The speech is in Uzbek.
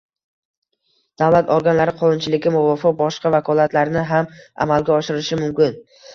Davlat organlari qonunchilikka muvofiq boshqa vakolatlarni ham amalga oshirishi mumkin.